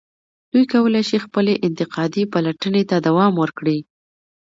دوی کولای شي خپلې انتقادي پلټنې ته دوام ورکړي.